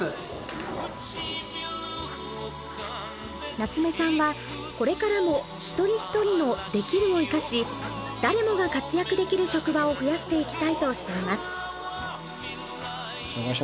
夏目さんはこれからも一人一人の「できる」を生かし誰もが活躍できる職場を増やしていきたいとしています。